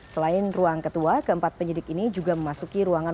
selain ruang ketua keempat penyidik ini juga memasuki ruangan